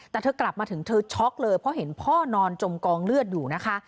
แต่เธอกลับมาถึงเธอช็อกเลยเพราะเห็นพ่อนอนจมกองเลือดอยู่นะคะ